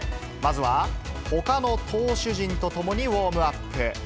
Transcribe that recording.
まずはほかの投手陣と共にウォームアップ。